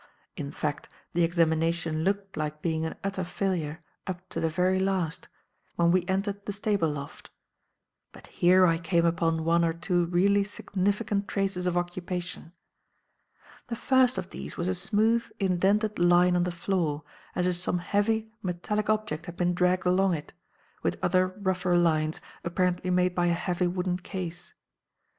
In fact, the examination looked like being an utter failure up to the very last, when we entered the stable loft; but here I came upon one or two really significant traces of occupation. "The first of these was a smooth, indented line on the floor, as if some heavy, metallic object had been dragged along it, with other, rougher lines, apparently made by a heavy wooden case.